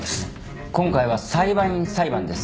今回は裁判員裁判です。